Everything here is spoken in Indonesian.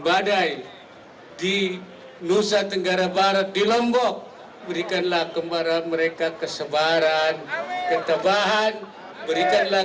badai di nusa tenggara barat di lombok berikanlah kembali mereka kesebaran ketebahan berikanlah